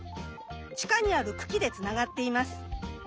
地下にある茎でつながっています。